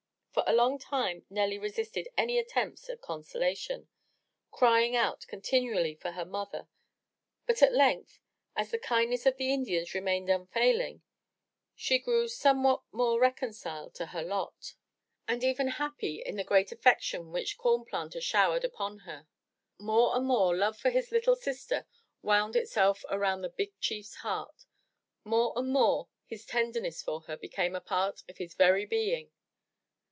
For a long time Nelly resisted any attempts at consolation, crying out continually for her mother, but at length, as the kind ness of the Indians remained unfailing, she grew somewhat more reconciled to her lot, and even happy in the great affection which Corn Planter showered upon her. More and more, love for his little sister wound itself around the big chief's heart; more and more his tenderness for her became a part of his very being.